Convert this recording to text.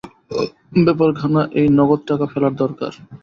ব্যাপারখানা এইঃ নগদ টাকা ফেলার দরকার।